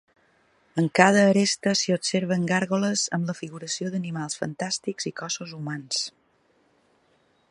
En cada aresta s'hi observen gàrgoles amb la figuració d'animals fantàstics i cossos humans.